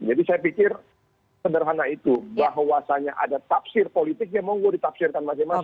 jadi saya pikir sederhana itu bahwasanya ada tafsir politik ya mau gue ditafsirkan masing masing